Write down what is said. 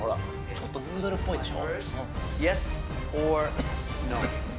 ちょっとヌードルっぽいでしょ。